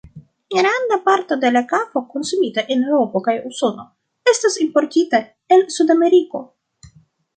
Granda parto de la kafo konsumita en Eŭropo kaj Usono estas importita el Sudameriko.